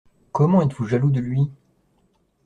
Comment êtes-vous jaloux de Lui?